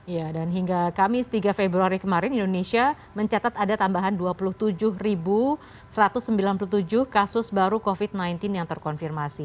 ya dan hingga kamis tiga februari kemarin indonesia mencatat ada tambahan dua puluh tujuh satu ratus sembilan puluh tujuh kasus baru covid sembilan belas yang terkonfirmasi